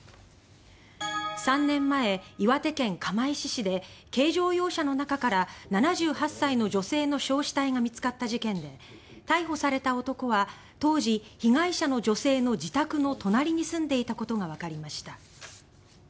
３年前、岩手県釜石市で軽乗用車の中から７８歳の女性の焼死体が見つかった事件で逮捕された男は当時、被害者の女性の自宅の隣に住んでいたことがわかりました。